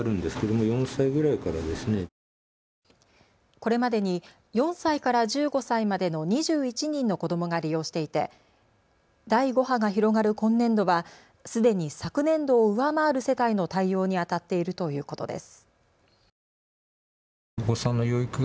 これまでに４歳から１５歳までの２１人の子どもが利用していて第５波が広がる今年度はすでに昨年度を上回る世帯の対応にあたっているということです。